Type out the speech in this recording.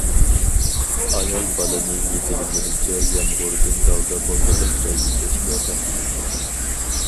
ئايال بالىنى يېتىلىگىنىچە يامغۇردىن دالدا بولغۇدەك جاي ئىزدەشكە باشلىدى.